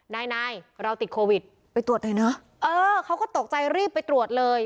นายนายเราติดโควิดไปตรวจหน่อยเนอะเออเขาก็ตกใจรีบไปตรวจเลย